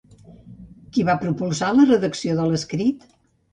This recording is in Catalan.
Qui va propulsar la redacció de l'escrit?